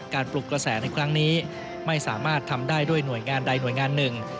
ปลุกกระแสในครั้งนี้ไม่สามารถทำได้ด้วยหน่วยงานใดหน่วยงานหนึ่ง